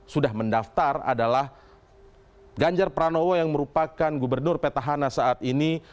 sudah mendaftar adalah ganjar pranowo yang merupakan gubernur petahana saat ini